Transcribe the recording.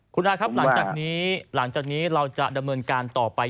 คุณอาครับหลังจากนี้เราจะดำเนินการต่อไป